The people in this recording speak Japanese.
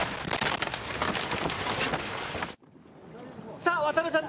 さあ渡邊さん